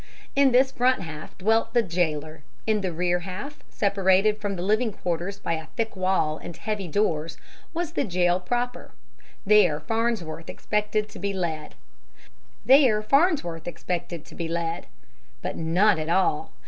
In this front half dwelt the jailer; in the rear half, separated from the living quarters by a thick wall and heavy doors, was the jail proper. There Farnsworth expected to be led. But not at all!